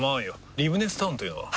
リブネスタウンというのは？